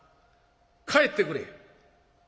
帰ってくれ」。